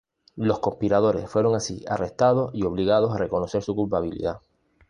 Los conspiradores fueron así arrestados, y obligados a reconocer su culpabilidad.